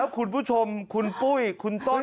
คุณผู้ชมคุณปุ้ยคุณต้น